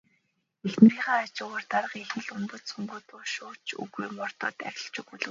Эхнэрийнхээ хажуугаар дарга их л ундууцангуй дуу шуу ч үгүй мордоод арилж өглөө.